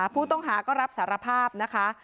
ผู้ต้องหาก็รับสารภาพนะคะ